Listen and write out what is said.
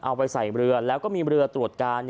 เอาไปใส่เรือแล้วก็มีเรือตรวจการ